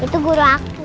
itu guru aku